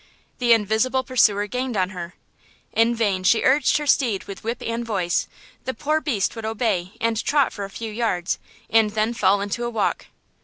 The invisible pursuer gained on her. In vain she urged her steed with whip and voice; the poor beast would obey and trot for a few yards, and then fall into a walk.